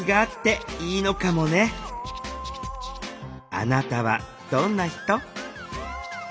あなたはどんな人？